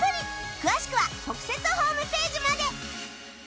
詳しくは特設ホームページまで